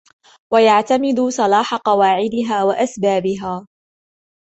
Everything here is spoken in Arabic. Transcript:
وَيَعْتَمِدُوا صَلَاحَ قَوَاعِدِهَا وَأَسْبَابِهَا